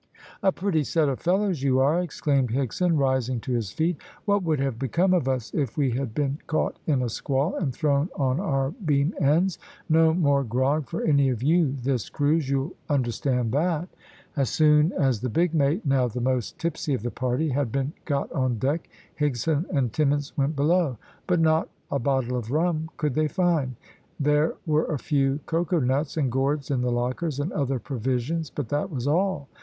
"A pretty set of fellows you are!" exclaimed Higson, rising to his feet. "What would have become of us if we had been caught in a squall and thrown on our beam ends? No more grog for any of you this cruise you'll understand that?" As soon as the big mate, now the most tipsy of the party, had been got on deck, Higson and Timmins went below, but not a bottle of rum could they find. There were a few cocoa nuts and gourds in the lockers, and other provisions, but that was all.